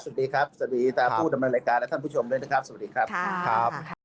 สวัสดีตาผู้ดำเนินอายการและท่านผู้ชมด้วยนะครับสวัสดีครับ